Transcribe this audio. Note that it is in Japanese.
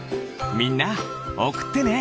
みんなおくってね！